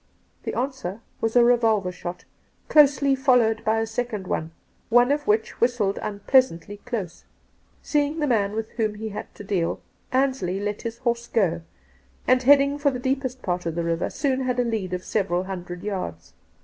The answer was a revolver shot, closely followed by a second one, one of which whistled unpleasantly close. Seeing the man with whom he had to deal, Ansley let his horse go, and heading fot the deepest part of the river, soon had a lead of several hundred yards.